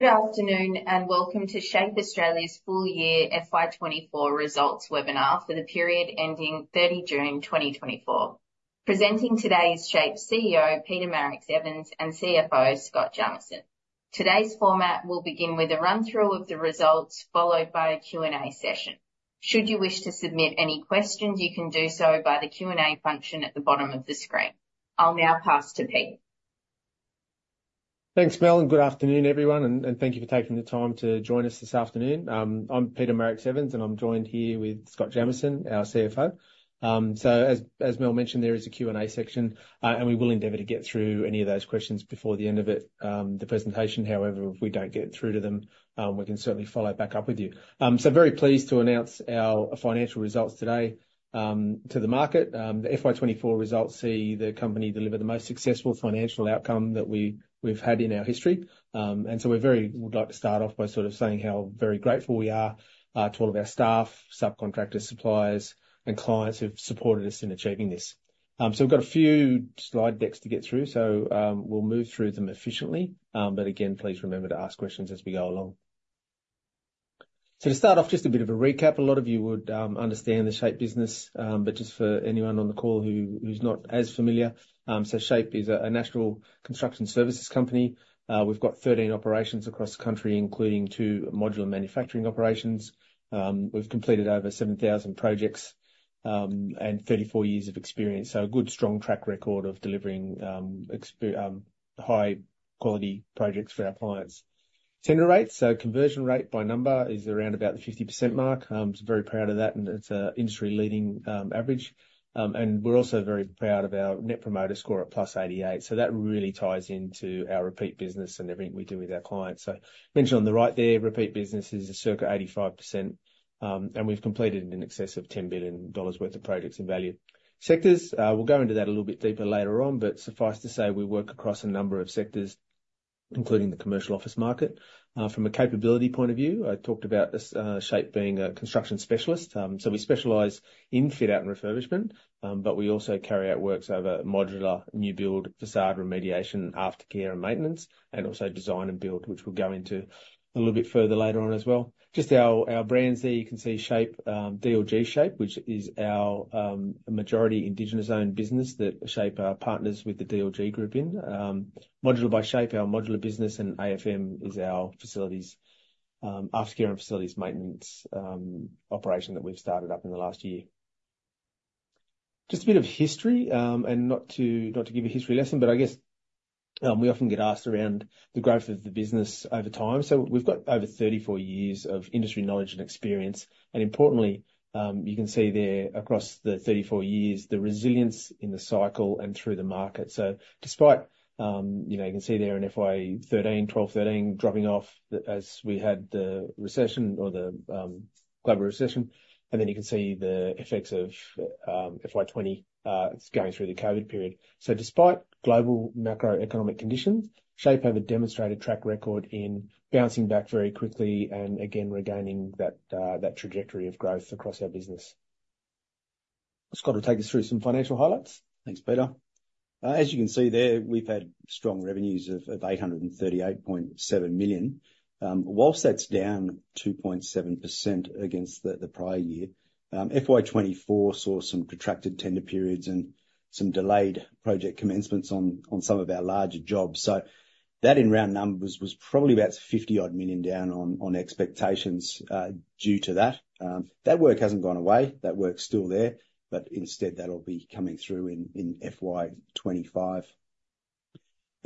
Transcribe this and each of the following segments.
Good afternoon, and welcome to SHAPE Australia's full year FY 2024 results webinar for the period ending 30 June, 2024. Presenting today is SHAPE CEO, Peter Marix-Evans, and CFO, Scott Jamieson. Today's format will begin with a run-through of the results, followed by a Q&A session. Should you wish to submit any questions, you can do so by the Q&A function at the bottom of the screen. I'll now pass to Pete. Thanks, Mel, and good afternoon, everyone, and thank you for taking the time to join us this afternoon. I'm Peter Marix-Evans, and I'm joined here with Scott Jamieson, our CFO. So as Mel mentioned, there is a Q&A section, and we will endeavor to get through any of those questions before the end of it, the presentation. However, if we don't get through to them, we can certainly follow back up with you. So very pleased to announce our financial results today, to the market. The FY 2024 results see the company deliver the most successful financial outcome that we've had in our history. We would like to start off by sort of saying how very grateful we are to all of our staff, subcontractors, suppliers, and clients who have supported us in achieving this. We have a few slide decks to get through, so we will move through them efficiently. Again, please remember to ask questions as we go along. To start off, just a bit of a recap. A lot of you would understand the SHAPE business, but just for anyone on the call who is not as familiar. SHAPE is a national construction services company. We have 13 operations across the country, including two modular manufacturing operations. We've completed over 7,000 projects and 34 years of experience, so a good, strong track record of delivering high quality projects for our clients. Tender rates, so conversion rate by number is around about the 50% mark. Very proud of that, and it's an industry-leading average. And we're also very proud of our Net Promoter Score at +88, so that really ties into our repeat business and everything we do with our clients. Mentioned on the right there, repeat business is circa 85%, and we've completed in excess of 10 billion dollars worth of projects and value. Sectors, we'll go into that a little bit deeper later on, but suffice to say, we work across a number of sectors, including the commercial office market. From a capability point of view, I talked about this, SHAPE being a construction specialist. We specialize in fit out and refurbishment, but we also carry out works over modular, new build, facade remediation, aftercare and maintenance, and also design and build, which we'll go into a little bit further later on as well. Just our brands there, you can see SHAPE, DLG SHAPE, which is our majority Indigenous-owned business, that SHAPE are partners with the DLG Group in. Modular by SHAPE, our modular business, and AFM is our facilities, aftercare and facilities maintenance, operation that we've started up in the last year. Just a bit of history, and not to give a history lesson, but I guess, we often get asked around the growth of the business over time. We've got over 34 years of industry knowledge and experience, and importantly, you can see there across the 34 years, the resilience in the cycle and through the market. Despite, you can see there in FY 2012, 2013 dropping off as we had the recession or the global recession, and then you can see the effects of FY 2020 going through the COVID period. Despite global macroeconomic conditions, SHAPE have a demonstrated track record in bouncing back very quickly and again, regaining that trajectory of growth across our business. Scott will take us through some financial highlights. Thanks, Peter. As you can see there, we've had strong revenues of 838.7 million. While that's down 2.7% against the prior year, FY 2024 saw some protracted tender periods and some delayed project commencements on some of our larger jobs. That, in round numbers, was probably about 50 million down on expectations due to that. That work hasn't gone away. That work's still there, but instead, that'll be coming through in FY 2025.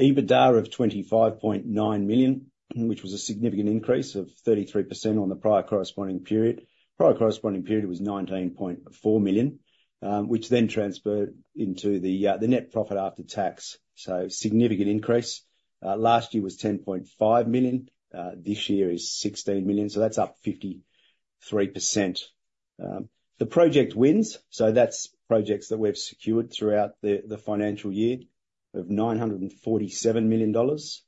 EBITDA of 25.9 million, which was a significant increase of 33% on the prior corresponding period. Prior corresponding period was 19.4 million, which then transferred into the net profit after tax, so significant increase. Last year was 10.5 million, this year is 16 million, so that's up 53%. The project wins, so that's projects that we've secured throughout the financial year, of 947 million dollars.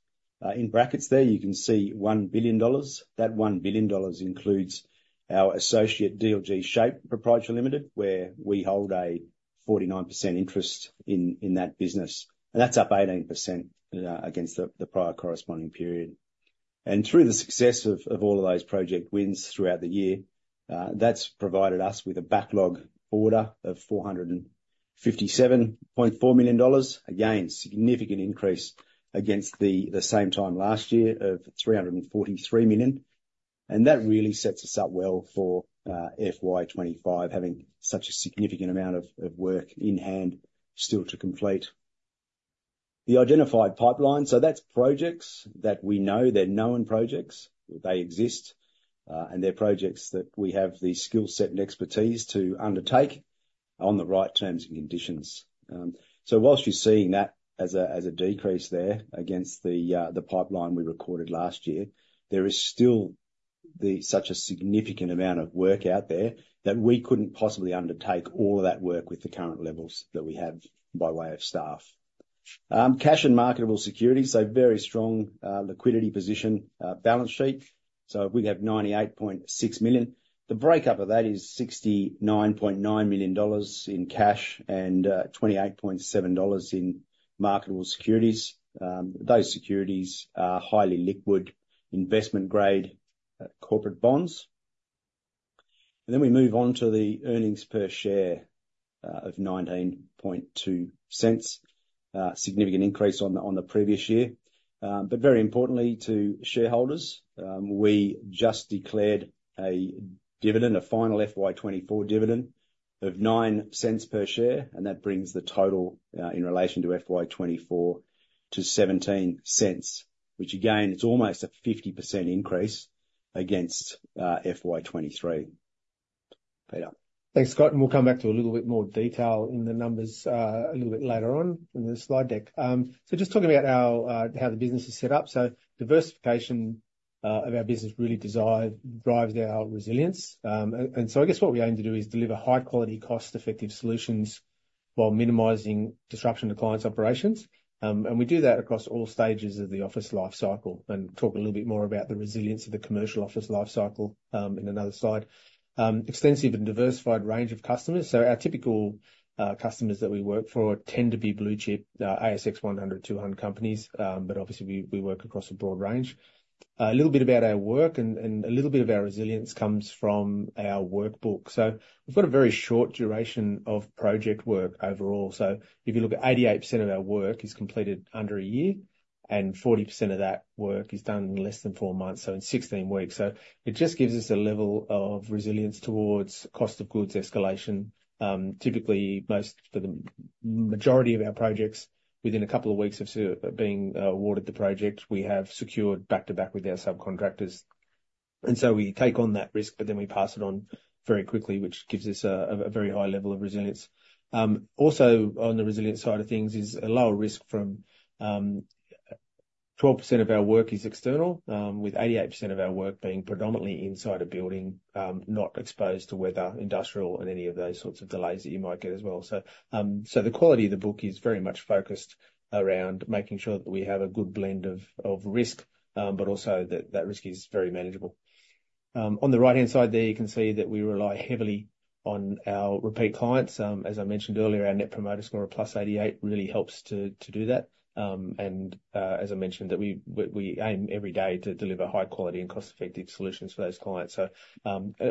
In brackets there, you can see 1 billion dollars. That 1 billion dollars includes our associate, DLG SHAPE Proprietary Limited, where we hold a 49% interest in that business, and that's up 18% against the prior corresponding period. Through the success of all of those project wins throughout the year, that's provided us with a backlog order of 457.4 million dollars. Again, significant increase against the same time last year of 343 million, and that really sets us up well for FY 2025, having such a significant amount of work in hand still to complete. The identified pipeline, so that's projects that we know, they're known projects. They exist, and they're projects that we have the skill set and expertise to undertake on the right terms and conditions. While you're seeing that as a decrease there against the pipeline we recorded last year, there is still such a significant amount of work out there that we couldn't possibly undertake all that work with the current levels that we have by way of staff. Cash and marketable securities, so very strong liquidity position, balance sheet. We have 98.6 million. The breakdown of that is 69.9 million dollars in cash and 28.7 million dollars in marketable securities. Those securities are highly liquid, investment grade corporate bonds. We move on to the earnings per share of 19.20. Significant increase on the previous year, but very importantly to shareholders, we just declared a dividend, a final FY 2024 dividend of 0.09 per share, and that brings the total in relation to FY 2024 to 0.17, which again is almost a 50% increase against FY 2023. Peter? Thanks, Scott, and we'll come back to a little bit more detail in the numbers, a little bit later on in the slide deck. So just talking about how the business is set up. So diversification of our business really drives our resilience. And so I guess what we aim to do is deliver high quality, cost-effective solutions while minimizing disruption to clients' operations. And we do that across all stages of the office life cycle, and talk a little bit more about the resilience of the commercial office life cycle in another slide. Extensive and diversified range of customers. So our typical customers that we work for tend to be blue-chip ASX 100, 200 companies, but obviously we work across a broad range. A little bit about our work and a little bit of our resilience comes from our work book. So we've got a very short duration of project work overall. So if you look at 88% of our work is completed under a year, and 40% of that work is done in less than four months, so in 16 weeks. So it just gives us a level of resilience towards cost of goods escalation. Typically, for the majority of our projects, within a couple of weeks of being awarded the project, we have secured back-to-back with our subcontractors. We take on that risk, but then we pass it on very quickly, which gives us a very high level of resilience. Also on the resilience side of things is a lower risk from 12% of our work is external, with 88% of our work being predominantly inside a building, not exposed to weather, industrial, and any of those sorts of delays that you might get as well. The quality of the book is very much focused around making sure that we have a good blend of risk. Also that risk is very manageable. On the right-hand side there, you can see that we rely heavily on our repeat clients. As I mentioned Net Promoter Score of +88 really helps to do that. As I mentioned, that we aim every day to deliver high quality and cost-effective solutions for those clients.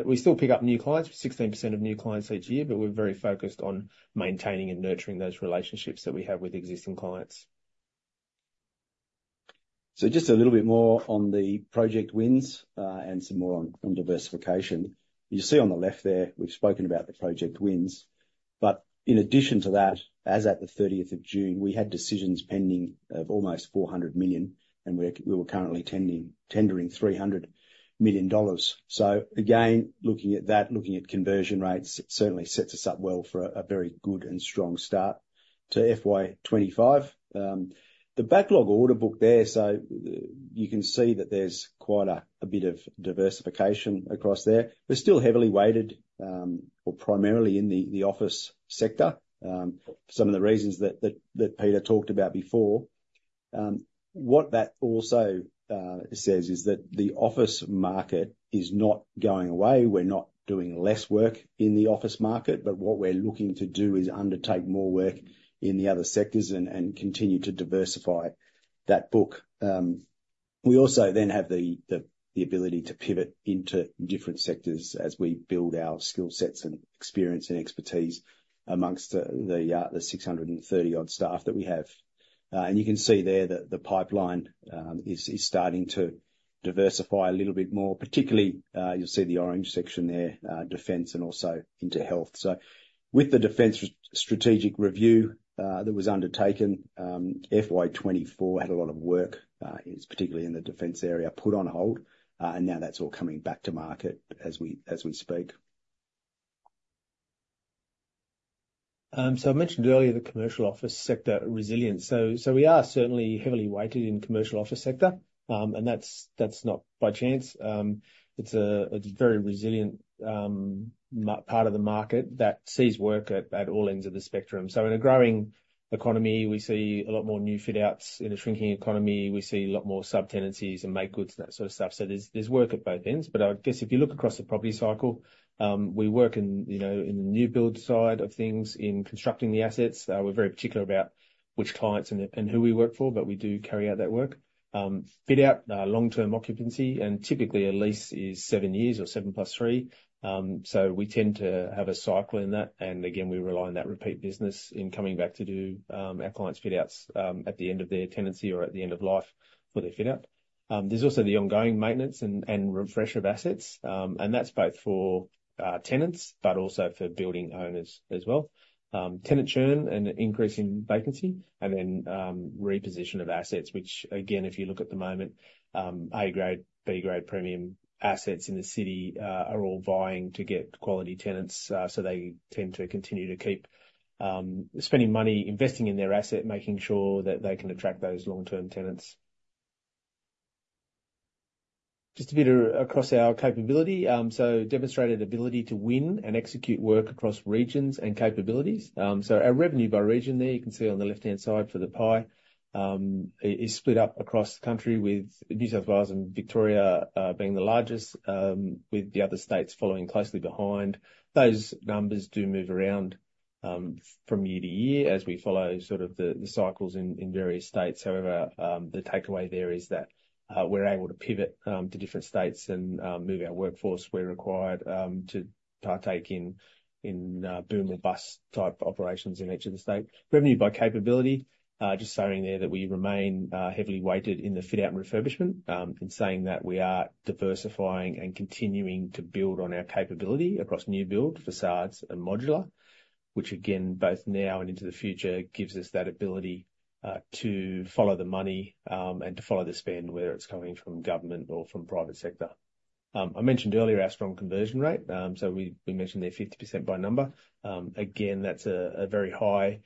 We still pick up new clients, 16% of new clients each year, but we're very focused on maintaining and nurturing those relationships that we have with existing clients. Just a little bit more on the project wins, and some more on diversification. You see on the left there, we've spoken about the project wins. In addition to that, as at the thirtieth of June, we had decisions pending of almost 400 million, and we were currently tendering 300 million dollars. Again, looking at conversion rates, certainly sets us up well for a very good and strong start to FY 2025. The backlog order book there, you can see that there's quite a bit of diversification across there. We're still heavily weighted or primarily in the office sector. Some of the reasons that Peter talked about before. What that also says is that the office market is not going away. We're not doing less work in the office market, but what we're looking to do is undertake more work in the other sectors and continue to diversify that book. We also then have the ability to pivot into different sectors as we build our skill sets and experience and expertise amongst the 630 odd staff that we have. And you can see there that the pipeline is starting to diversify a little bit more, particularly, you'll see the orange section there, Defence and also into health. So with the Defence Strategic Review that was undertaken, FY 2024 had a lot of work, particularly in the Defence area, put on hold, and now that's all coming back to market as we speak. So I mentioned earlier the commercial office sector resilience. So we are certainly heavily weighted in commercial office sector, and that's not by chance. It's a very resilient part of the market that sees work at all ends of the spectrum. So in a growing economy, we see a lot more new fit outs. In a shrinking economy, we see a lot more subtenancies and make goods, that sort of stuff. So there's work at both ends. But I guess if you look across the property cycle, we work in, you know, in the new build side of things, in constructing the assets. We're very particular about which clients and who we work for, but we do carry out that work. Fit out, long-term occupancy, and typically a lease is seven years or 7 + 3. So we tend to have a cycle in that, and again, we rely on that repeat business in coming back to do our clients' fit outs at the end of their tenancy or at the end of life for their fit out. There's also the ongoing maintenance and refresh of assets, and that's both for tenants but also for building owners as well. Tenant churn and increase in vacancy, and then reposition of assets, which again, if you look at the moment, A-grade, B-grade premium assets in the city are all vying to get quality tenants. So they tend to continue to keep spending money, investing in their asset, making sure that they can attract those long-term tenants. Just a bit across our capability. Demonstrated ability to win and execute work across regions and capabilities. Our revenue by region there, you can see on the left-hand side for the pie, is split up across the country, with New South Wales and Victoria being the largest, with the other states following closely behind. Those numbers do move around, from year to year as we follow sort of the cycles in various states. However, the takeaway there is that, we're able to pivot to different states and move our workforce where required to partake in boom or bust type operations in each of the state. Revenue by capability, just showing there that we remain heavily weighted in the fit out and refurbishment. In saying that, we are diversifying and continuing to build on our capability across new build, facades and modular, which again, both now and into the future, gives us that ability, to follow the money, and to follow the spend, whether it's coming from government or from private sector. I mentioned earlier our strong conversion rate. So we mentioned there 50% by number. Again, that's a very high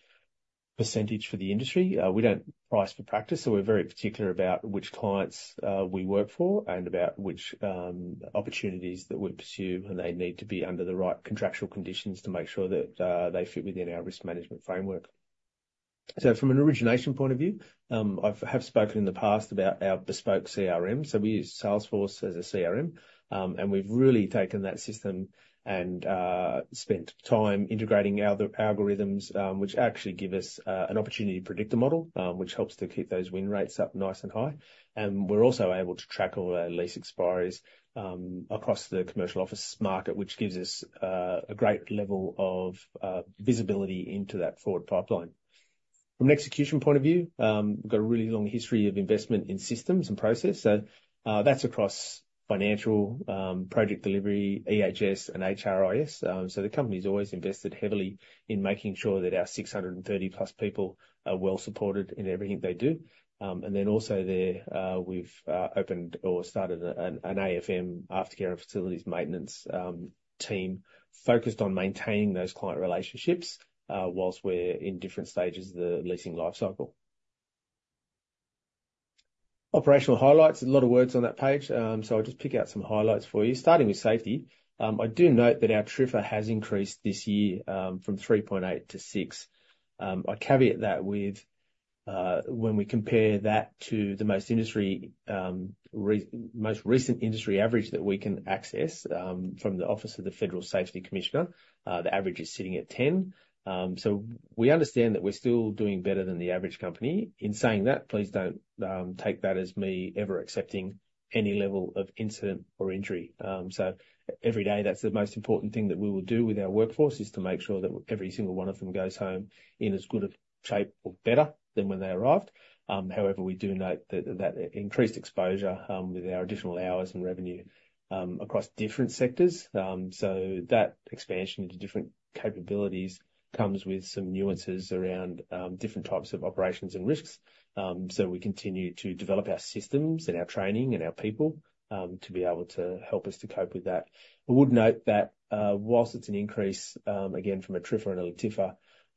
percentage for the industry. We don't price for practice, so we're very particular about which clients, we work for and about which, opportunities that we pursue, and they need to be under the right contractual conditions to make sure that, they fit within our risk management framework. So from an origination point of view, I have spoken in the past about our bespoke CRM. So we use Salesforce as a CRM. And we've really taken that system and spent time integrating our algorithms, which actually give us an opportunity to predict the model, which helps to keep those win rates up nice and high. And we're also able to track all our lease expiries across the commercial office market, which gives us a great level of visibility into that forward pipeline. From an execution point of view, we've got a really long history of investment in systems and process. So that's across financial, project delivery, EHS and HRIS. So the company's always invested heavily in making sure that our 630-plus people are well supported in everything they do. And then also there, we've opened or started an AFM, aftercare and facilities maintenance, team focused on maintaining those client relationships, while we're in different stages of the leasing life cycle. Operational highlights, a lot of words on that page, so I'll just pick out some highlights for you, starting with safety. I do note that our TRIFR has increased this year, from 3.8 to 6. I caveat that with, when we compare that to the most recent industry average that we can access, from the Office of the Federal Safety Commissioner, the average is sitting at 10, so we understand that we're still doing better than the average company. In saying that, please don't take that as me ever accepting any level of incident or injury. So every day, that's the most important thing that we will do with our workforce, is to make sure that every single one of them goes home in as good of shape or better than when they arrived. However, we do note that increased exposure with our additional hours and revenue across different sectors. So that expansion into different capabilities comes with some nuances around different types of operations and risks. So we continue to develop our systems and our training and our people to be able to help us to cope with that. I would note that whilst it's an increase again from a TRIFR and a TIFR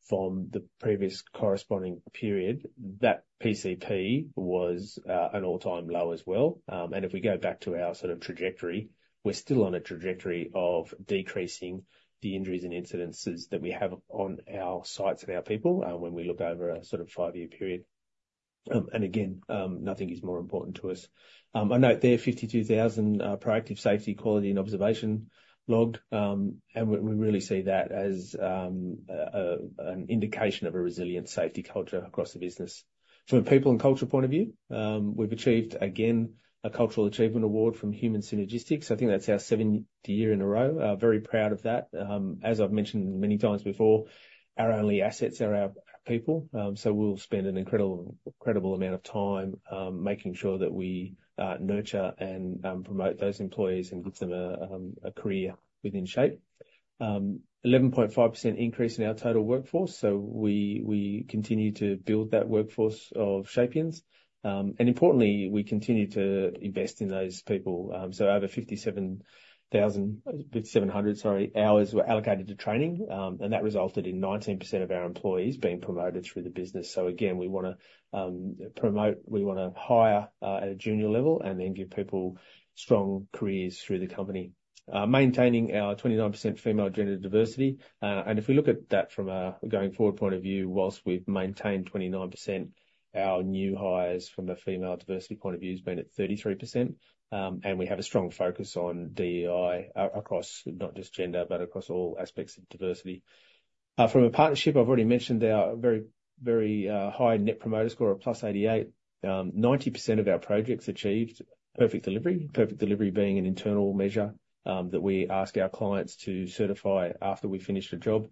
from the previous corresponding period, that PCP was an all-time low as well. And if we go back to our sort of trajectory, we're still on a trajectory of decreasing the injuries and incidences that we have on our sites and our people, when we look over a sort of five-year period. And again, nothing is more important to us. I note there 52,000 proactive safety, quality and observation logged, and we really see that as an indication of a resilient safety culture across the business. From a people and culture point of view, we've achieved again a cultural achievement award from Human Synergistics. I think that's our seventh year in a row. Very proud of that. As I've mentioned many times before, our only assets are our people. We'll spend an incredible amount of time making sure that we nurture and promote those employees and give them a career within SHAPE. 11.5% increase in our total workforce, so we continue to build that workforce of Shapeians. Importantly, we continue to invest in those people. Over 7,700 hours were allocated to training. And that resulted in 19% of our employees being promoted through the business. Again, we wanna promote, we wanna hire at a junior level and then give people strong careers through the company. Maintaining our 29% female gender diversity. And if we look at that from a going forward point of view, while we've maintained 29%, our new hires from a female diversity point of view has been at 33%. And we have a strong focus on DEI across, not just gender, but across all aspects of diversity. From a partnership, I've already mentioned our very, Net Promoter Score of +88. 90% of our projects achieved Perfect Delivery. Perfect Delivery being an internal measure that we ask our clients to certify after we've finished a job,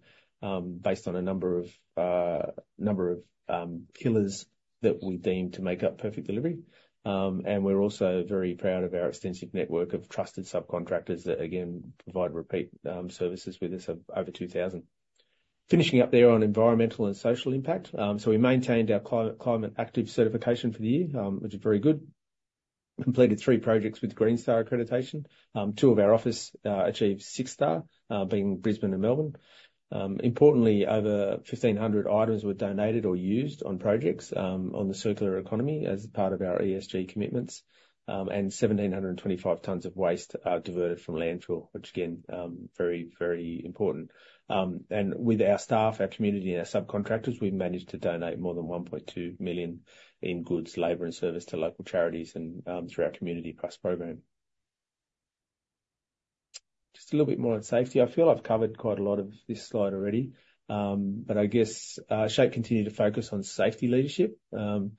based on a number of pillars that we deem to make up Perfect Delivery. And we're also very proud of our extensive network of trusted subcontractors that, again, provide repeat services with us of over 2000. Finishing up there on environmental and social impact. So we maintained our Climate Active certification for the year, which is very good. Completed three projects with Green Star accreditation. Two of our office achieved six-star, being Brisbane and Melbourne. Importantly, over 1,500 items were donated or used on projects, on the circular economy as part of our ESG commitments. And 1,725 tons of waste are diverted from landfill, which again, very, very important. And with our staff, our community, and our subcontractors, we've managed to donate more than 1.2 million in goods, labour, and service to local charities and, through our Community Plus program. Just a little bit more on safety. I feel I've covered quite a lot of this slide already. But I guess, SHAPE continued to focus on safety leadership, our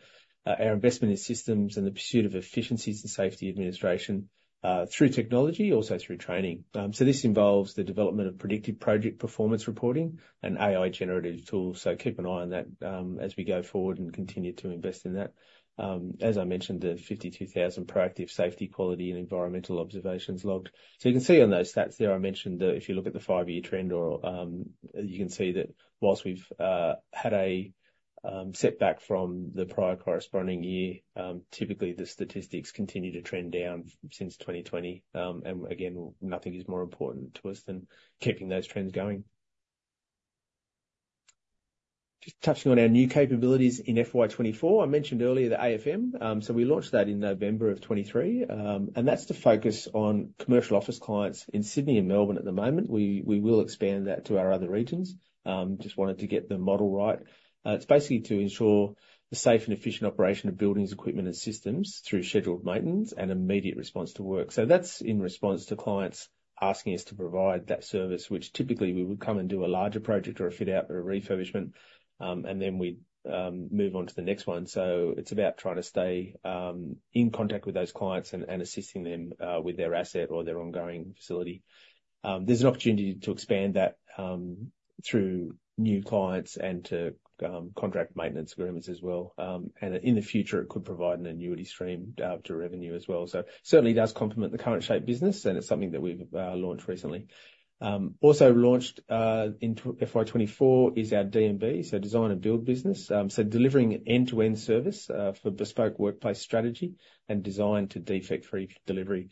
investment in systems and the pursuit of efficiencies and safety administration, through technology, also through training. So this involves the development of predictive project performance reporting and AI generative tools. So keep an eye on that, as we go forward and continue to invest in that. As I mentioned, the 52,000 proactive safety, quality, and environmental observations logged. So you can see on those stats there. I mentioned that if you look at the five-year trend or, you can see that while we've had a setback from the prior corresponding year, typically the statistics continue to trend down since 2020. And again, nothing is more important to us than keeping those trends going. Just touching on our new capabilities in FY 2024. I mentioned earlier the AFM. So we launched that in November of 2023. And that's to focus on commercial office clients in Sydney and Melbourne at the moment. We will expand that to our other regions. Just wanted to get the model right. It's basically to ensure the safe and efficient operation of buildings, equipment, and systems through scheduled maintenance and immediate response to work. So that's in response to clients asking us to provide that service, which typically we would come and do a larger project or a fit out or a refurbishment, and then we'd move on to the next one. So it's about trying to stay in contact with those clients and assisting them with their asset or their ongoing facility. There's an opportunity to expand that, through new clients and to, contract maintenance agreements as well. And in the future, it could provide an annuity stream, to revenue as well. So certainly does complement the current SHAPE business, and it's something that we've launched recently. Also launched, in FY 2024 is our D&B, so design and build business. So delivering end-to-end service, for bespoke workplace strategy and design to defect-free delivery.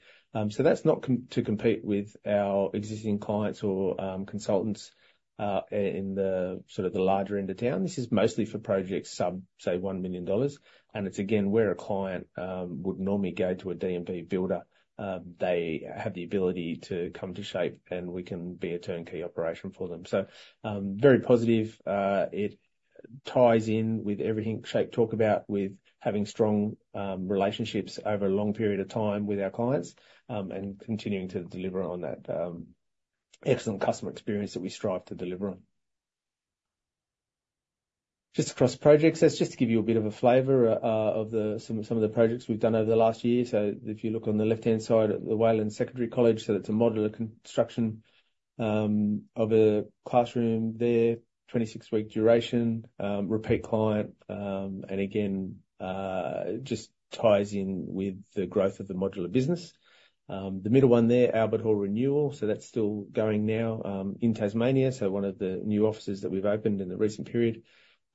So that's not to compete with our existing clients or, consultants, in the sort of the larger end of town. This is mostly for projects sub, say, 1 million dollars, and it's again, where a client, would normally go to a D&B builder. They have the ability to come to SHAPE, and we can be a turnkey operation for them. Very positive. It ties in with everything SHAPE talk about, with having strong relationships over a long period of time with our clients and continuing to deliver on that excellent customer experience that we strive to deliver on. Just across projects, that's just to give you a bit of a flavor of some of the projects we've done over the last year. If you look on the left-hand side at the Rosehill Secondary College, that's a modular construction of a classroom there, 26-week duration, repeat client. It again just ties in with the growth of the modular business. The middle one there, Albert Hall Renewal, that's still going now in Tasmania, one of the new offices that we've opened in the recent period.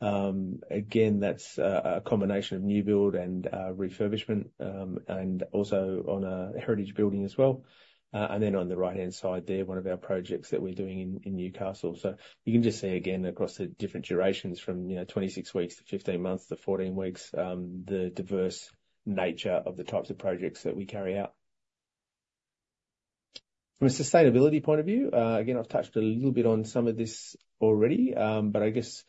Again, that's a combination of new build and refurbishment, and also on a heritage building as well. And then on the right-hand side there, one of our projects that we're doing in Newcastle. So you can just see again across the different durations from, you know, 26 weeks to 15 months to 14 weeks, the diverse nature of the types of projects that we carry out. From a sustainability point of view, again, I've touched a little bit on some of this already, but I guess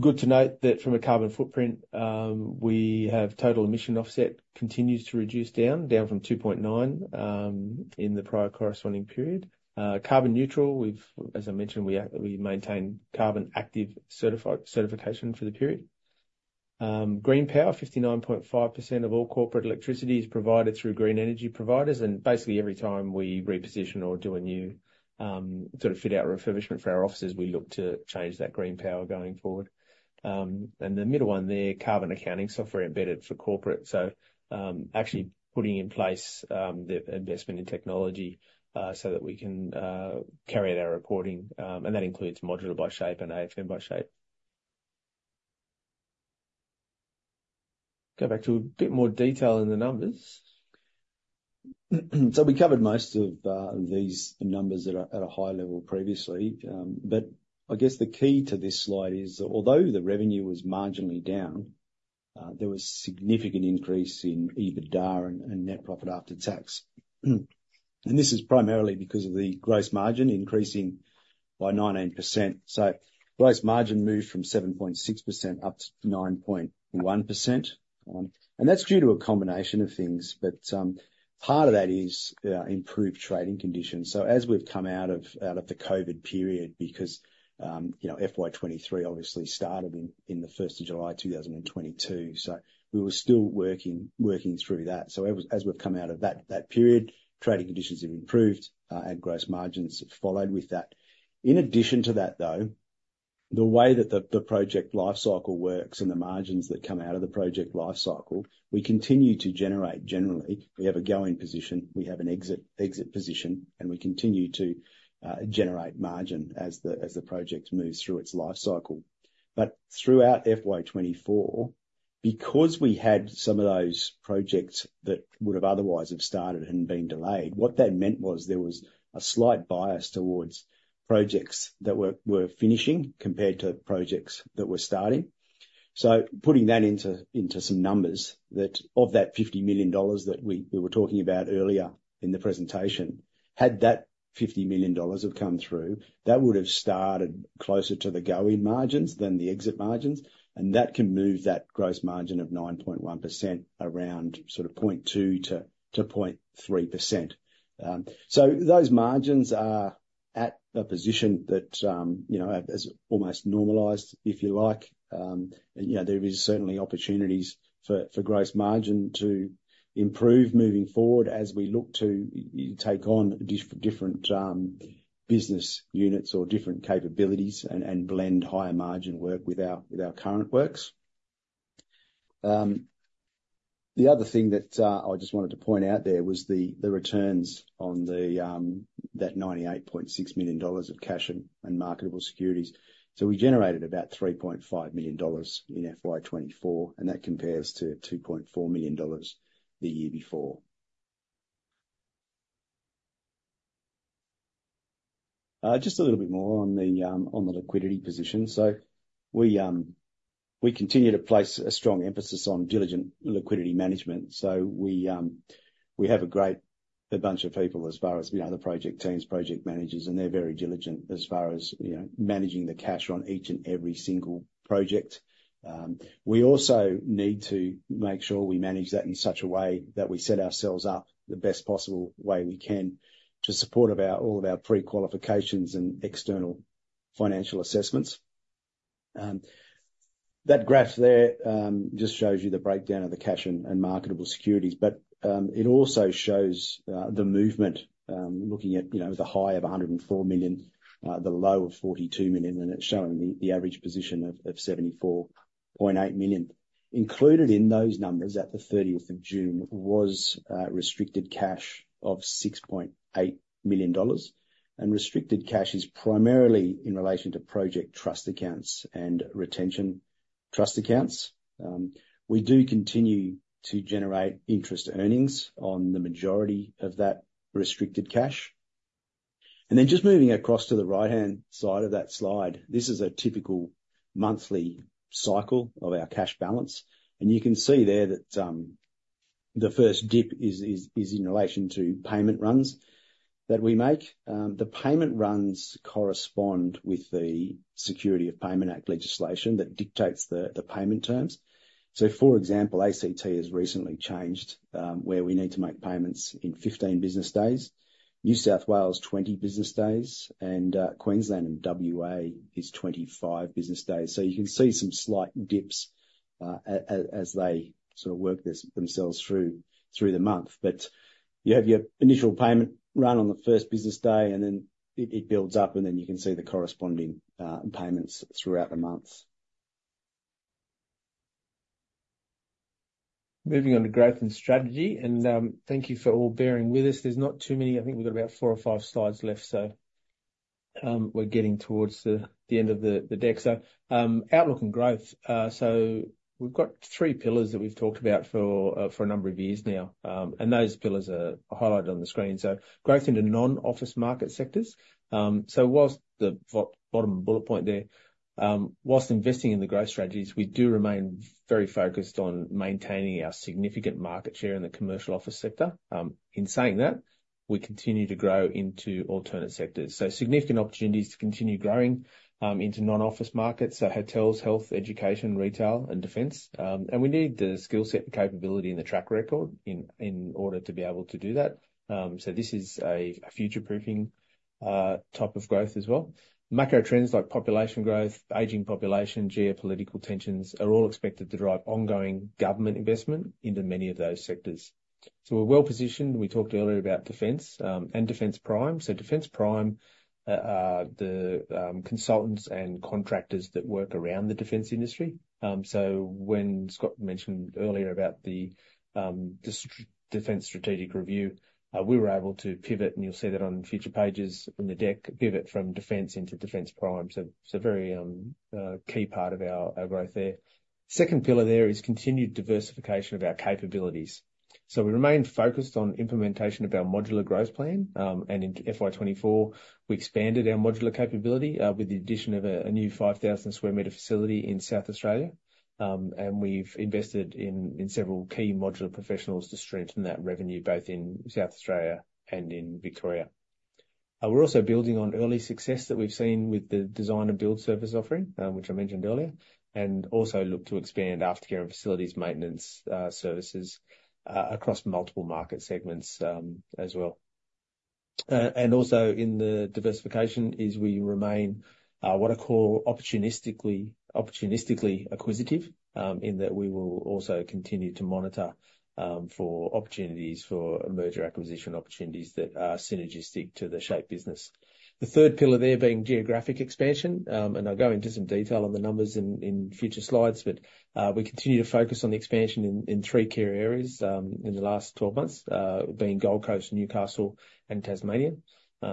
good to note that from a carbon footprint, we have total emission offset continues to reduce down from 2.9 in the prior corresponding period. Carbon neutral, as I mentioned, we maintain Climate Active certification for the period. GreenPower, 59.5% of all corporate electricity is provided through green energy providers, and basically, every time we reposition or do a new, sort of fit-out refurbishment for our offices, we look to change that GreenPower going forward. The middle one there, carbon accounting software embedded for corporate. Actually putting in place, the investment in technology, so that we can, carry out our reporting. That includes Modular by SHAPE and AFM by SHAPE. Go back to a bit more detail in the numbers. We covered most of, these numbers at a high level previously, but I guess the key to this slide is, although the revenue was marginally down, there was significant increase in EBITDA and net profit after tax. And this is primarily because of the gross margin increasing by 19%. So gross margin moved from 7.6% up to 9.1%. And that's due to a combination of things, but part of that is improved trading conditions. So as we've come out of the COVID period, because you know, FY 2023 obviously started in the 1st of July 2022, so we were still working through that. So as we've come out of that period, trading conditions have improved, and gross margins have followed with that. In addition to that, though, the way that the project life cycle works and the margins that come out of the project life cycle, we continue to generate generally. We have a going position, we have an exit position, and we continue to generate margin as the project moves through its life cycle. Throughout FY 2024, because we had some of those projects that would have otherwise have started and been delayed, what that meant was there was a slight bias towards projects that were finishing compared to projects that were starting. So putting that into some numbers, that of the 50 million dollars that we were talking about earlier in the presentation, had that 50 million dollars come through, that would have started closer to the going margins than the exit margins, and that can move that gross margin of 9.1% around sort of 0.2%-0.3%. So those margins are at a position that, you know, has almost normalized, if you like. You know, there is certainly opportunities for gross margin to improve moving forward as we look to take on different business units or different capabilities and blend higher margin work with our current works. The other thing that I just wanted to point out there was the returns on that 98.6 million dollars of cash and marketable securities. So we generated about 3.5 million dollars in FY 2024, and that compares to 2.4 million dollars the year before. Just a little bit more on the liquidity position. So we continue to place a strong emphasis on diligent liquidity management. So we have a great bunch of people as far as, you know, the project teams, project managers, and they're very diligent as far as, you know, managing the cash on each and every single project. We also need to make sure we manage that in such a way that we set ourselves up the best possible way we can to support about all of our pre-qualifications and external financial assessments. That graph there just shows you the breakdown of the cash and marketable securities, but it also shows the movement, looking at, you know, the high of 104 million, the low of 42 million, and it's showing the average position of 74.8 million. Included in those numbers at the 30th of June was restricted cash of 6.8 million dollars, and restricted cash is primarily in relation to project trust accounts and retention trust accounts. We do continue to generate interest earnings on the majority of that restricted cash. And then just moving across to the right-hand side of that slide, this is a typical monthly cycle of our cash balance, and you can see there that the first dip is in relation to payment runs that we make. The payment runs correspond with the Security of Payment Act legislation that dictates the payment terms. So, for example, ACT has recently changed where we need to make payments in fifteen business days, New South Wales, twenty business days, and Queensland and WA is 25 business days. So you can see some slight dips as they sort of work this themselves through the month. But you have your initial payment run on the first business day, and then it builds up, and then you can see the corresponding payments throughout the months. Moving on to growth and strategy, and thank you for all bearing with us. There's not too many. I think we've got about four or five slides left, so we're getting towards the end of the deck. Outlook and growth. We've got three pillars that we've talked about for a number of years now, and those pillars are highlighted on the screen. Growth into non-office market sectors. Whilst the bottom bullet point there, whilst investing in the growth strategies, we do remain very focused on maintaining our significant market share in the commercial office sector. In saying that, we continue to grow into alternate sectors. Significant opportunities to continue growing into non-office markets. Hotels, health, education, retail, and defence, and we need the skill set and capability and the track record in order to be able to do that, so this is a future-proofing type of growth as well. Macro trends like population growth, aging population, geopolitical tensions are all expected to drive ongoing government investment into many of those sectors, so we're well positioned. We talked earlier about defence and Defence Prime, so Defence Prime are the consultants and contractors that work around the defence industry. When Scott mentioned earlier about the Defence Strategic Review, we were able to pivot, and you'll see that on future pages on the deck, pivot from Defence into Defence Prime. It's a very key part of our growth there. Second pillar there is continued diversification of our capabilities. We remain focused on implementation of our modular growth plan. In FY 2024, we expanded our modular capability with the addition of a new 5,000 sqm facility in South Australia. We've invested in several key modular professionals to strengthen that revenue, both in South Australia and in Victoria. We're also building on early success that we've seen with the design and build service offering, which I mentioned earlier, and also look to expand aftercare and facilities maintenance, services, across multiple market segments, as well. And also in the diversification is we remain what I call opportunistically acquisitive, in that we will also continue to monitor for opportunities for a merger acquisition, opportunities that are synergistic to the SHAPE business. The third pillar there being geographic expansion, and I'll go into some detail on the numbers in future slides, but we continue to focus on the expansion in three key areas, in the last twelve months, being Gold Coast, Newcastle, and Tasmania.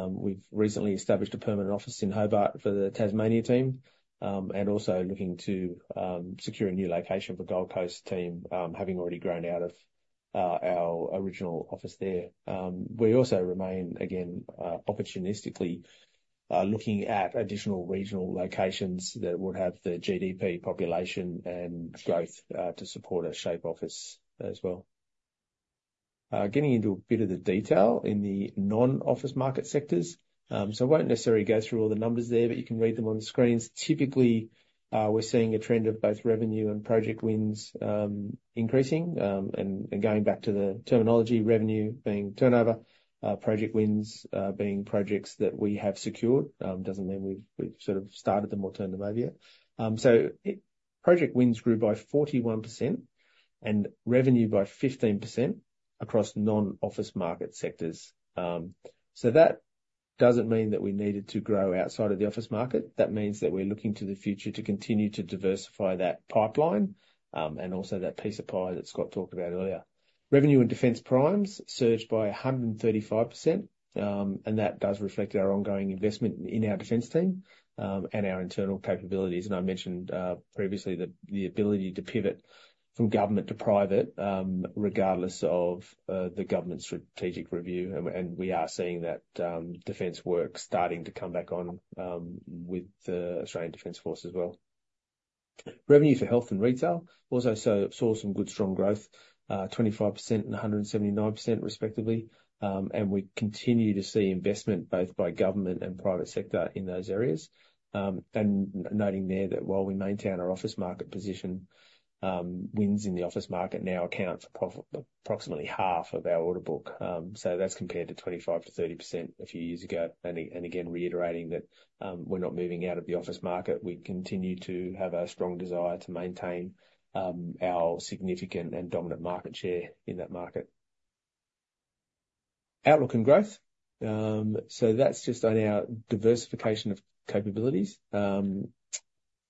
We've recently established a permanent office in Hobart for the Tasmania team, and also looking to secure a new location for Gold Coast team, having already grown out of our original office there. We also remain, again, opportunistically, looking at additional regional locations that would have the GDP population and growth, to support our SHAPE office as well. Getting into a bit of the detail in the non-office market sectors. So I won't necessarily go through all the numbers there, but you can read them on the screens. Typically, we're seeing a trend of both revenue and project wins, increasing. And going back to the terminology, revenue being turnover, project wins, being projects that we have secured. Doesn't mean we've sort of started them or turned them over yet. So project wins grew by 41% and revenue by 15% across non-office market sectors. So that doesn't mean that we needed to grow outside of the office market. That means that we're looking to the future to continue to diversify that pipeline, and also that piece of pie that Scott talked about earlier. Revenue and Defence Prime surged by 135%, and that does reflect our ongoing investment in our Defence team, and our internal capabilities. I mentioned previously that the ability to pivot from government to private, regardless of the government's strategic review. We are seeing that Defence work starting to come back on, with the Australian Defence Force as well. Revenue for health and retail also saw some good, strong growth, 25% and 179%, respectively. We continue to see investment both by government and private sector in those areas. And noting there that while we maintain our office market position, wins in the office market now account for approximately half of our order book. So that's compared to 25%-30% a few years ago. And again, reiterating that, we're not moving out of the office market. We continue to have a strong desire to maintain our significant and dominant market share in that market. Outlook and growth. So that's just on our diversification of capabilities,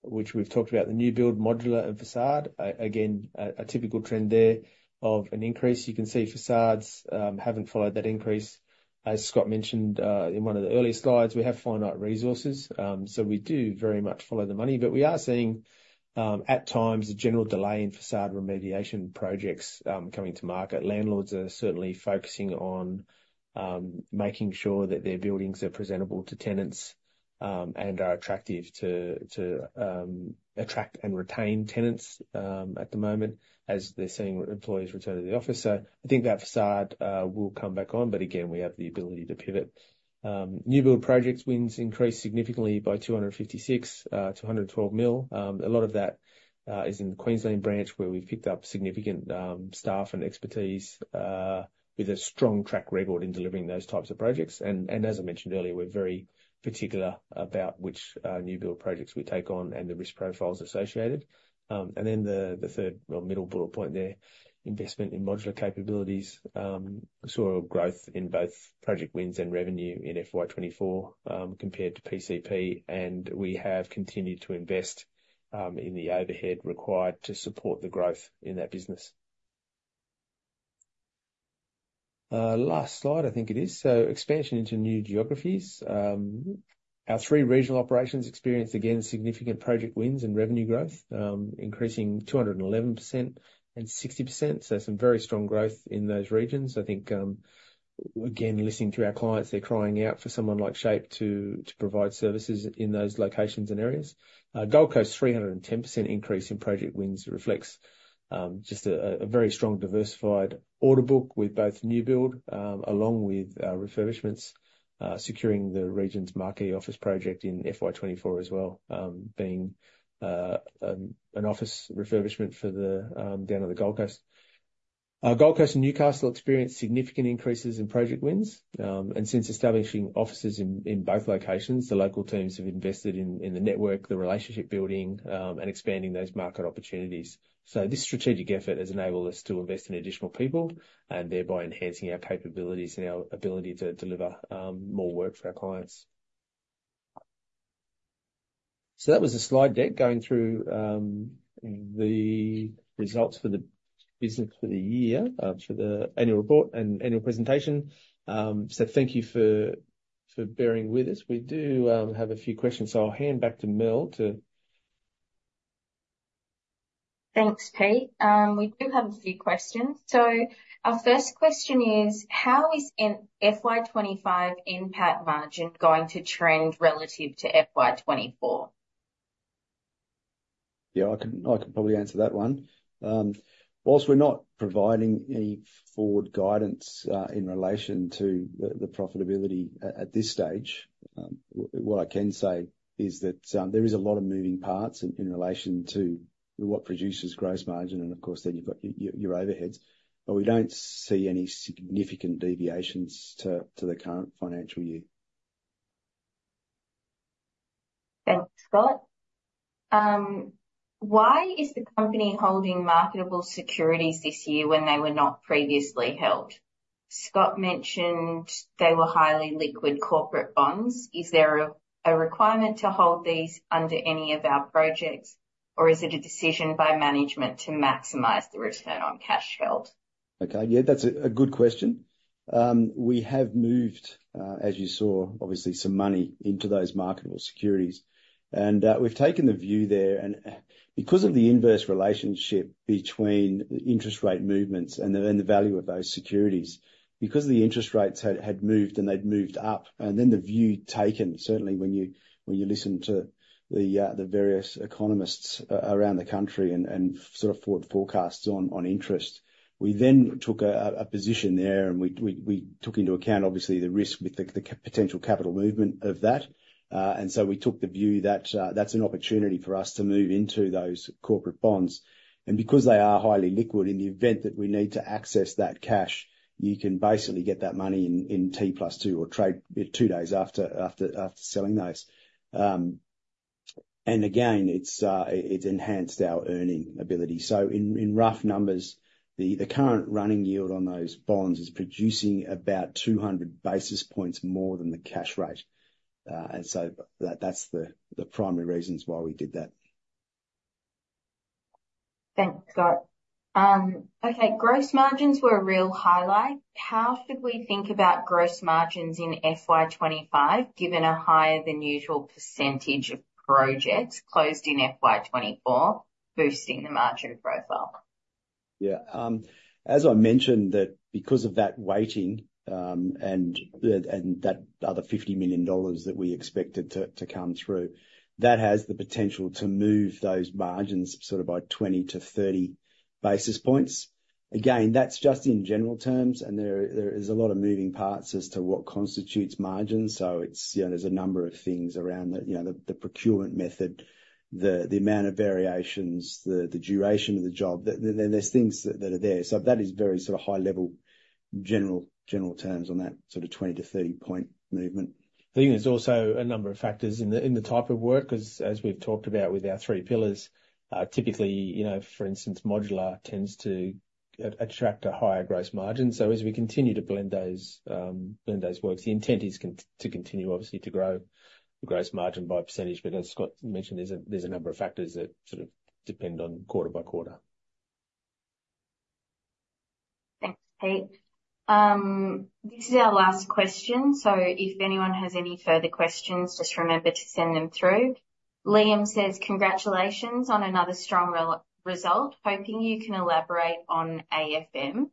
which we've talked about, the new build, modular, and facade. Again, a typical trend there of an increase. You can see facades haven't followed that increase. As Scott mentioned, in one of the earlier slides, we have finite resources. So we do very much follow the money, but we are seeing, at times, a general delay in facade remediation projects coming to market. Landlords are certainly focusing on making sure that their buildings are presentable to tenants and are attractive to attract and retain tenants at the moment, as they're seeing employees return to the office. So I think that facade will come back on, but again, we have the ability to pivot. New build projects wins increased significantly by 256 to 112 million. A lot of that is in the Queensland branch, where we've picked up significant staff and expertise with a strong track record in delivering those types of projects. As I mentioned earlier, we're very particular about which new build projects we take on and the risk profiles associated. Then the third or middle bullet point there, investment in modular capabilities, saw a growth in both project wins and revenue in FY 2024, compared to PCP, and we have continued to invest in the overhead required to support the growth in that business. Last slide, I think it is. Expansion into new geographies. Our three regional operations experienced, again, significant project wins and revenue growth, increasing 211% and 60%. Some very strong growth in those regions. I think, again, listening to our clients, they're crying out for someone like SHAPE to provide services in those locations and areas. Gold Coast, 310% increase in project wins reflects just a very strong diversified order book with both new build along with refurbishments securing the region's marquee office project in FY 2024 as well, being an office refurbishment for the down on the Gold Coast. Gold Coast and Newcastle experienced significant increases in project wins. And since establishing offices in both locations, the local teams have invested in the network, the relationship building, and expanding those market opportunities. So this strategic effort has enabled us to invest in additional people, and thereby enhancing our capabilities and our ability to deliver more work for our clients. So that was the slide deck going through the results for the business for the year for the annual report and annual presentation. So thank you for bearing with us. We do have a few questions, so I'll hand back to Mel. Thanks, Pete. We do have a few questions, so our first question is: How is an FY 2025 NPAT margin going to trend relative to FY 2024? Yeah, I can, I can probably answer that one. While we're not providing any forward guidance in relation to the profitability at this stage, what I can say is that there is a lot of moving parts in relation to what produces gross margin, and of course, then you've got your overheads. But we don't see any significant deviations to the current financial year. Thanks, Scott. Why is the company holding marketable securities this year when they were not previously held? Scott mentioned they were highly liquid corporate bonds. Is there a requirement to hold these under any of our projects, or is it a decision by management to maximize the return on cash held? Okay. Yeah, that's a good question. We have moved, as you saw, obviously, some money into those marketable securities, and we've taken the view there, and because of the inverse relationship between the interest rate movements and the value of those securities, because the interest rates had moved, and they'd moved up, and then the view taken, certainly when you listen to the various economists around the country and sort of forecasts on interest, we then took a position there, and we took into account, obviously, the risk with the potential capital movement of that. And so we took the view that that's an opportunity for us to move into those corporate bonds. And because they are highly liquid, in the event that we need to access that cash, you can basically get that money in T plus two, or trade two days after selling those. And again, it's enhanced our earning ability. So in rough numbers, the current running yield on those bonds is producing about 200 basis points more than the cash rate. And so that's the primary reasons why we did that. Thanks, Scott. Okay, gross margins were a real highlight. How should we think about gross margins in FY 2025, given a higher than usual percentage of projects closed in FY 2024, boosting the margin of growth well? Yeah. As I mentioned, that because of that weighting, and that other 50 million dollars that we expected to come through, that has the potential to move those margins sort of by 20-30 basis points. Again, that's just in general terms, and there is a lot of moving parts as to what constitutes margins. So it's, you know, there's a number of things around the, you know, the procurement method, the amount of variations, the duration of the job. There's things that are there. So that is very sort of high level, general terms on that sort of 20-30 point movement. I think there's also a number of factors in the type of work, 'cause as we've talked about with our three pillars, typically, you know, for instance, modular tends to attract a higher gross margin. So as we continue to blend those works, the intent is to continue, obviously, to grow the gross margin by a percentage. But as Scott mentioned, there's a number of factors that sort of depend on quarter by quarter. Thanks, Pete. This is our last question, so if anyone has any further questions, just remember to send them through. Liam says: Congratulations on another strong result. Hoping you can elaborate on AFM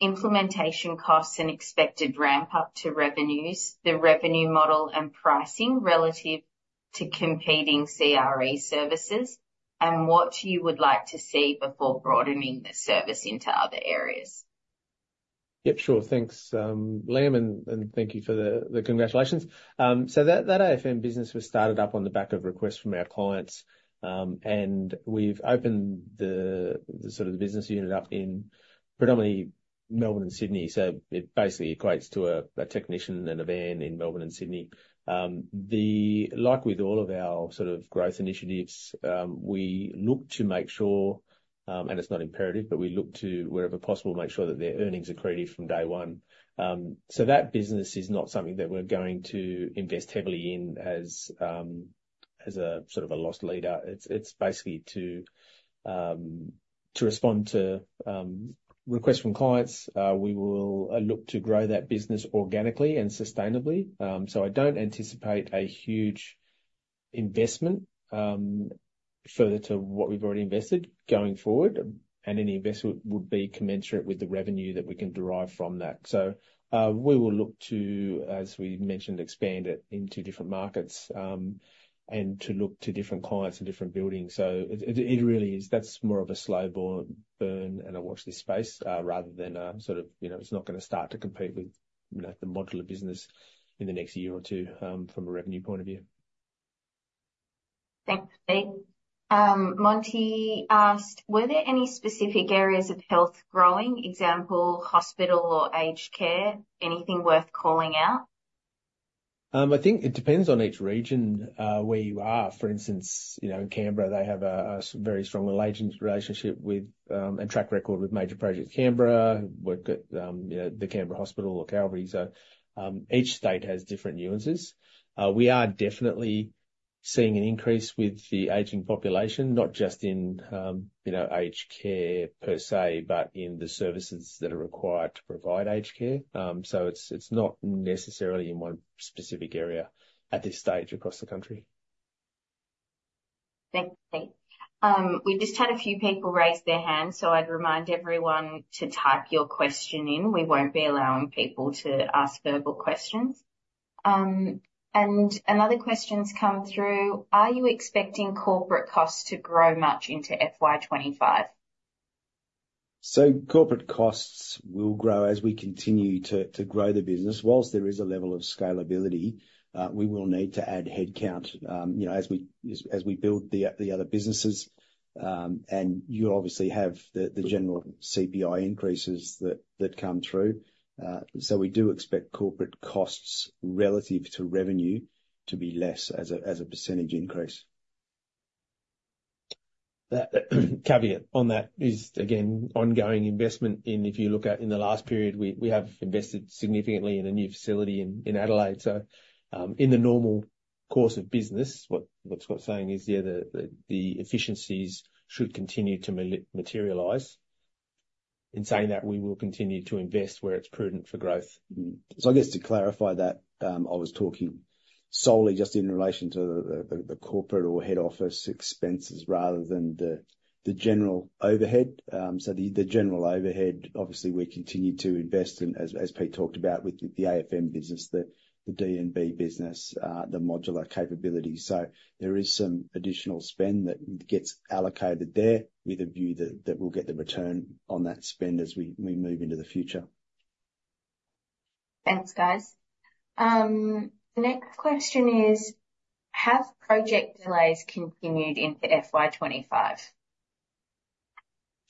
implementation costs and expected ramp up to revenues, the revenue model and pricing relative to competing CRE services, and what you would like to see before broadening the service into other areas. Yep, sure. Thanks, Liam, and thank you for the congratulations, so that AFM business was started up on the back of requests from our clients, and we've opened the sort of business unit up in predominantly Melbourne and Sydney, so it basically equates to a technician and a van in Melbourne and Sydney. Like with all of our sort of growth initiatives, we look to make sure, and it's not imperative, but we look to, wherever possible, make sure that their earnings are accretive from day one, so that business is not something that we're going to invest heavily in as a sort of a loss leader. It's basically to respond to requests from clients. We will look to grow that business organically and sustainably. So, I don't anticipate a huge investment, further to what we've already invested going forward, and any investment would be commensurate with the revenue that we can derive from that. So, we will look to, as we mentioned, expand it into different markets, and to look to different clients and different buildings. So it really is. That's more of a slow burn, and a watch this space, rather than a sort of. You know, it's not gonna start to compete with, you know, the modular business in the next year or two, from a revenue point of view. Thanks, Pete. Monty asked: Were there any specific areas of health growing? Example, hospital or aged care. Anything worth calling out? I think it depends on each region, where you are. For instance, you know, Canberra, they have a very strong relationship with, and track record with major projects. Canberra work at, you know, the Canberra Hospital or Calvary. So, each state has different nuances. We are definitely seeing an increase with the aging population, not just in, you know, aged care per se, but in the services that are required to provide aged care. So it's not necessarily in one specific area at this stage across the country. Thanks, Pete. We've just had a few people raise their hands, so I'd remind everyone to type your question in. We won't be allowing people to ask verbal questions, and another question's come through: Are you expecting corporate costs to grow much into FY 2025? So corporate costs will grow as we continue to grow the business. While there is a level of scalability, we will need to add headcount, you know, as we build the other businesses. And you'll obviously have the general CPI increases that come through. So we do expect corporate costs relative to revenue to be less as a percentage increase. That caveat on that is, again, ongoing investment in. If you look at in the last period, we have invested significantly in a new facility in Adelaide. So, in the normal course of business, what Scott's saying is, yeah, the efficiencies should continue to materialize. In saying that, we will continue to invest where it's prudent for growth. Mm-hmm. So I guess to clarify that, I was talking solely just in relation to the corporate or head office expenses, rather than the general overhead. So the general overhead, obviously, we continue to invest in, as Pete talked about, with the AFM business, the D&B business, the modular capability. So there is some additional spend that gets allocated there with a view that we'll get the return on that spend as we move into the future. Thanks, guys. The next question is, have project delays continued into FY 2025?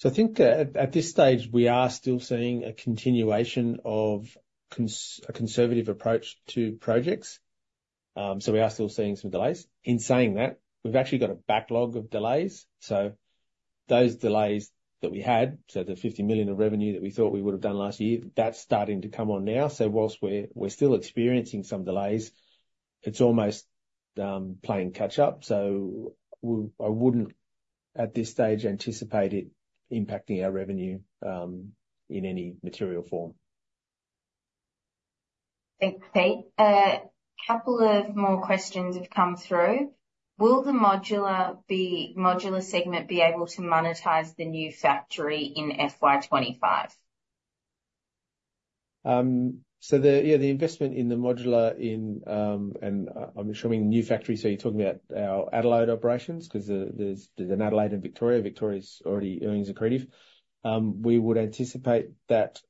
I think at this stage, we are still seeing a continuation of a conservative approach to projects. We are still seeing some delays. In saying that, we've actually got a backlog of delays, so those delays that we had, so the 50 million of revenue that we thought we would have done last year, that's starting to come on now. Whilst we're still experiencing some delays, it's almost playing catch up, so I wouldn't, at this stage, anticipate it impacting our revenue in any material form. Thanks, Pete. A couple of more questions have come through. Will the modular segment be able to monetize the new factory in FY 2025? So the, yeah, the investment in the modular in, and I'm assuming new factory, so you're talking about our Adelaide operations? There's an Adelaide and Victoria. Victoria's already earnings accretive. We would anticipate that,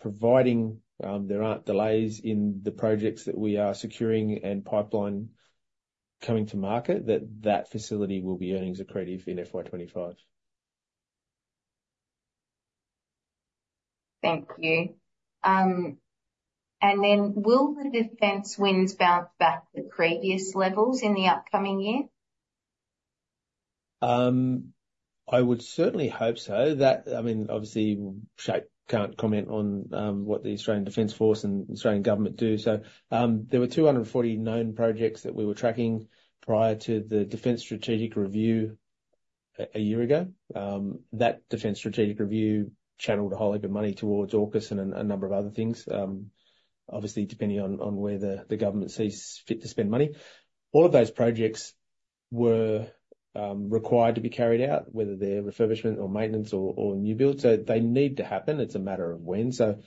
providing, there aren't delays in the projects that we are securing and pipeline coming to market, that that facility will be earnings accretive in FY 2025. Thank you. And then will the Defence wins bounce back to previous levels in the upcoming year? I would certainly hope so. That, I mean, obviously, SHAPE can't comment on what the Australian Defence Force and Australian Government do, so there were two hundred and forty known projects that we were tracking prior to the Defence Strategic Review a year ago. That Defence Strategic Review channeled a whole lot of money towards AUKUS and a number of other things, obviously, depending on where the government sees fit to spend money. All of those projects were required to be carried out, whether they're refurbishment or maintenance or new build, so they need to happen. It's a matter of when, so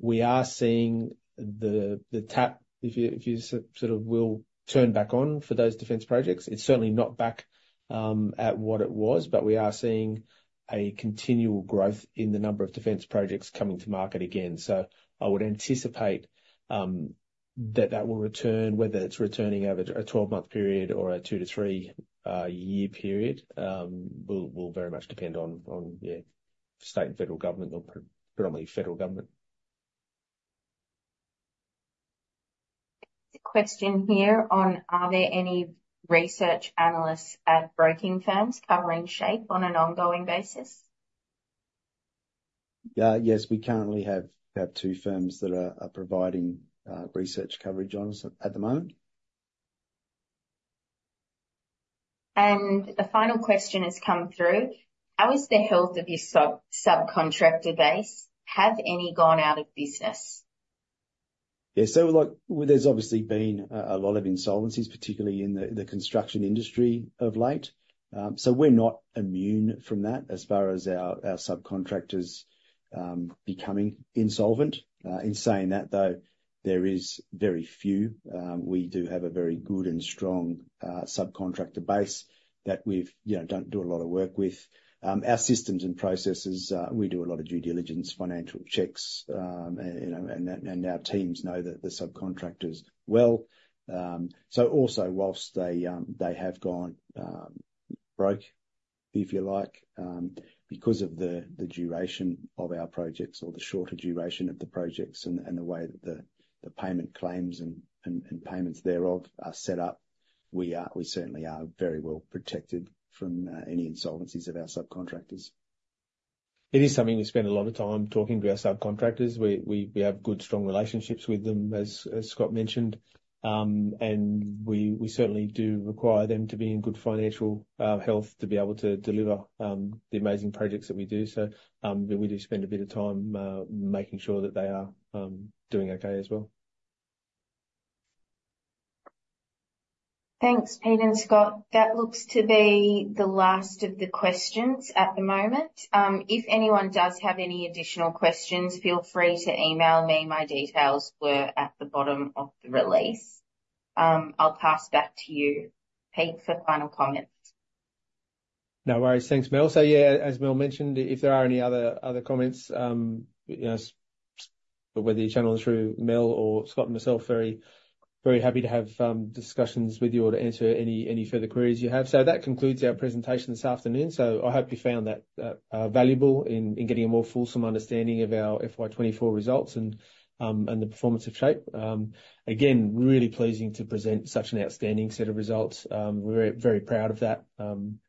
we are seeing the tap, if you sort of will, turn back on for those defence projects. It's certainly not back at what it was, but we are seeing a continual growth in the number of defence projects coming to market again. So I would anticipate that that will return, whether it's returning over a 12 month period or a two to three year period, will very much depend on, yeah, state and federal government or primarily federal government. A question here on: Are there any research analysts at broking firms covering SHAPE on an ongoing basis? Yes, we currently have about two firms that are providing research coverage on us at the moment. A final question has come through: How is the health of your subcontractor base? Have any gone out of business? Yeah, so like, well, there's obviously been a lot of insolvencies, particularly in the construction industry of late. So we're not immune from that as far as our subcontractors becoming insolvent. In saying that, though, there is very few. We do have a very good and strong subcontractor base that we've, you know, don't do a lot of work with. Our systems and processes, we do a lot of due diligence, financial checks, and, you know, and that, and our teams know the subcontractors well. So also, while they have gone broke, if you like, because of the duration of our projects or the shorter duration of the projects and the way that the payment claims and payments thereof are set up, we certainly are very well protected from any insolvencies of our subcontractors. It is something we spend a lot of time talking to our subcontractors. We have good, strong relationships with them, as Scott mentioned, and we certainly do require them to be in good financial health to be able to deliver the amazing projects that we do, so we do spend a bit of time making sure that they are doing okay as well. Thanks, Pete and Scott. That looks to be the last of the questions at the moment. If anyone does have any additional questions, feel free to email me. My details were at the bottom of the release. I'll pass back to you, Pete, for final comments. No worries. Thanks, Mel. So yeah, as Mel mentioned, if there are any other comments, you know, whether you channel it through Mel or Scott and myself, very, very happy to have discussions with you or to answer any further queries you have. So that concludes our presentation this afternoon. So I hope you found that valuable in getting a more fulsome understanding of our FY 2024 results and the performance of SHAPE. Again, really pleasing to present such an outstanding set of results. We're very proud of that,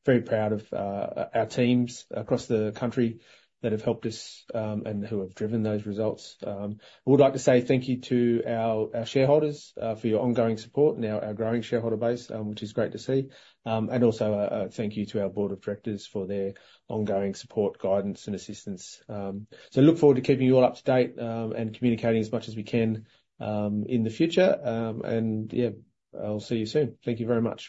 very proud of our teams across the country that have helped us and who have driven those results. I would like to say thank you to our shareholders for your ongoing support and our growing shareholder base, which is great to see. Also, a thank you to our board of directors for their ongoing support, guidance, and assistance. So look forward to keeping you all up to date, and communicating as much as we can, in the future. Yeah, I'll see you soon. Thank you very much.